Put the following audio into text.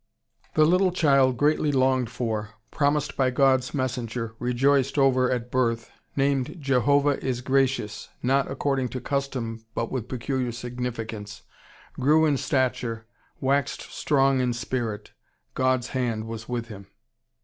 The little child greatly longed for promised by God's messenger rejoiced over at birth named "Jehovah is gracious," not according to custom but with peculiar significance grew in stature waxed strong in spirit God's hand was with him.